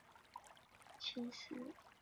清时修缮。